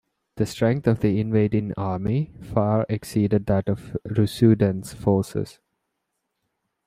The strength of the invading army far exceeded that of Rusudans forces.